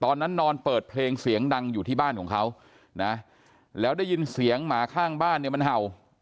นอนเปิดเพลงเสียงดังอยู่ที่บ้านของเขานะแล้วได้ยินเสียงหมาข้างบ้านเนี่ยมันเห่า